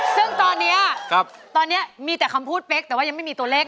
ซึ่งตอนนี้ตอนนี้มีแต่คำพูดเป๊กแต่ว่ายังไม่มีตัวเลข